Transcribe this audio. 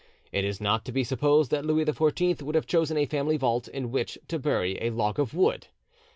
It is not to be supposed that Louis XIV would have chosen a family vault in which to bury a log of wood.